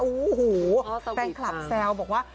โอ้โหแฟนคลับแซวบอกว่า